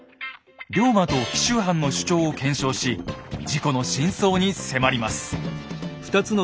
龍馬と紀州藩の主張を検証し事故の真相に迫ります。